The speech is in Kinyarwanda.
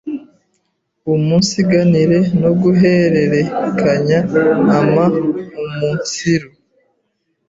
umunsiganira no guhererekanya amaumunsiru